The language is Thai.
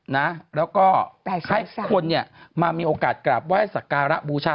แล้วก็ให้คนมามีโอกาสกราบไหว้สการบูชา